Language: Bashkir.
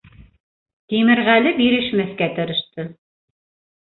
Тимерғәле бирешмәҫкә тырышты.